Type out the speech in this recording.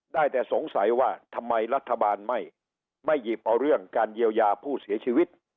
ได้แต่สงสัยว่าทำไมรัฐบาลไม่หยิบเอาเรื่องการเยียวยาผู้เสียชีวิต